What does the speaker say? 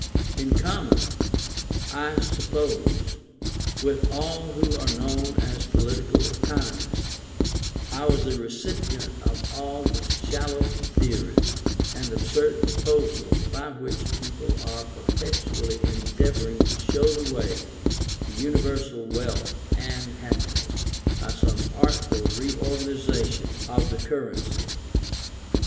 In common, I suppose, with all who are known as political economists, I was a recipient of all the shallow theories and absurd proposals by which people are perpetually endeavouring to show the way to universal wealth and happiness by some artful reorganization of the currency.